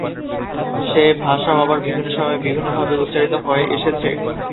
সে ভাষাও আবার বিভিন্ন সময়ে বিভিন্নভাবে উচ্চারিত হয়ে এসেছে।